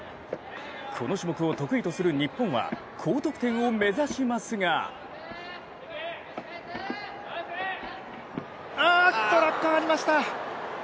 この種目を得意とする日本は高得点を目指しますがあっと、落下ありました。